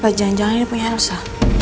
apa jangan jangan ini punya elsa